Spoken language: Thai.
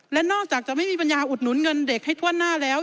และนอกจากจะไม่มีปัญญาอุดหนุนเงินเด็กให้ถ้วนหน้าแล้ว